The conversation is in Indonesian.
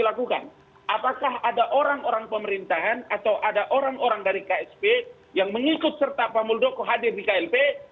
apakah ada orang orang pemerintahan atau ada orang orang dari ksp yang mengikut serta pak muldoko hadir di klb